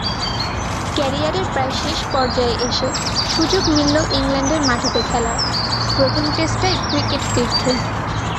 ক্যারিয়ারের প্রায় শেষ পর্যায়ে এসে সুযোগ মিলল ইংল্যান্ডের মাটিতে খেলার, প্রথম টেস্টটাই ক্রিকেট-তীর্থে।